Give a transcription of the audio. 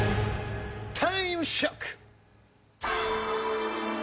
タイムショック！